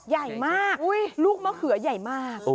ใหญ่มากลูกมะเขือใหญ่มาก